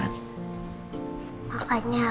makanya papa gak bisa telepon kita ya ma